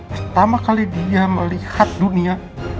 pertama kali dia melihat dunia